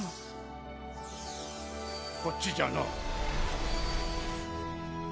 こっちじゃのう。